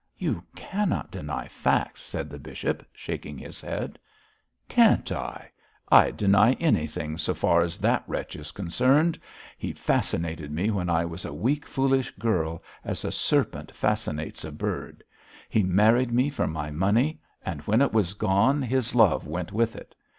'You cannot deny facts,' said the bishop, shaking his head. 'Can't I? I'd deny anything so far as that wretch is concerned. He fascinated me when I was a weak, foolish girl, as a serpent fascinates a bird. He married me for my money; and when it was gone his love went with it.